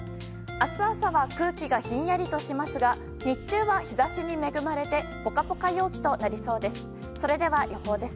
明日朝は空気がひんやりとしますが日中は日差しに恵まれてポカポカ陽気となりそうです。